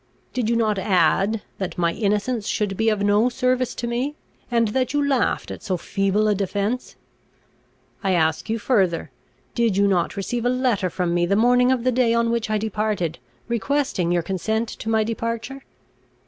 Did you not add, that my innocence should be of no service to me, and that you laughed at so feeble a defence? I ask you further, Did you not receive a letter from me the morning of the day on which I departed, requesting your consent to my departure?